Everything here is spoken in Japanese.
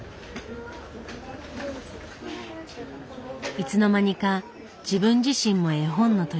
いつの間にか自分自身も絵本のとりこに。